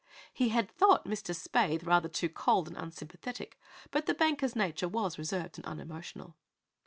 He had thought Mr. Spaythe rather too cold and unsympathetic, but the banker's nature was reserved and unemotional.